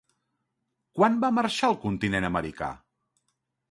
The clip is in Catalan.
Quan va marxar al continent americà?